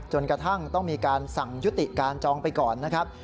จนกระทั่งต้องมีการสั่งยุติการจองไปก่อนนะครับ